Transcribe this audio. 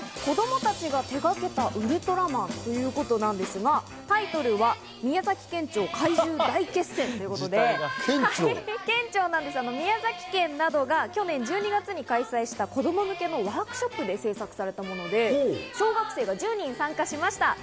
子供たちが手がけたウルトラマンということなんですが、タイトルは「宮崎県庁怪獣大作戦」ということで、宮崎県などが去年１２月に開催した子供向けのワークショップで制作されたもので、小学生が１０人参加しました。